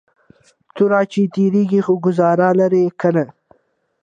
توره چې تیرېږي خو گزار لره کنه